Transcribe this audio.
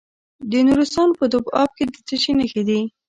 د نورستان په دو اب کې د څه شي نښې دي؟